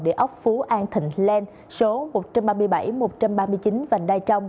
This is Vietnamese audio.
địa ốc phú an thịnh lan số một trăm ba mươi bảy một trăm ba mươi chín vành đai trong